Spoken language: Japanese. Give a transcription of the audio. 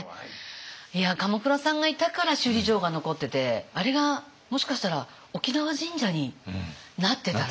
鎌倉さんがいたから首里城が残っててあれがもしかしたら沖縄神社になってたら。